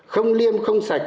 không liêm không sạch